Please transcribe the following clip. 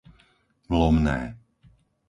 Lomné